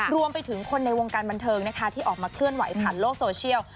รวมไปถึงคนในวงการบันเทิงนะคะที่ออกมาเคลื่อนไหวผ่านโลกโซเชียล